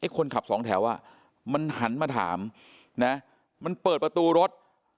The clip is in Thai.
คนขับสองแถวมันหันมาถามนะมันเปิดประตูรถ